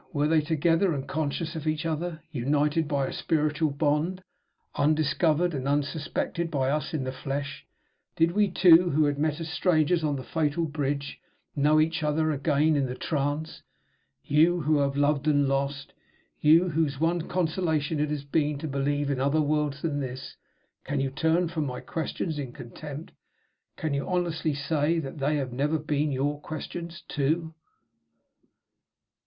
Were they together and conscious of each other? United by a spiritual bond, undiscovered and unsuspected by us in the flesh, did we two, who had met as strangers on the fatal bridge, know each other again in the trance? You who have loved and lost you whose one consolation it has been to believe in other worlds than this can you turn from my questions in contempt? Can you honestly say that they have never been your questions too?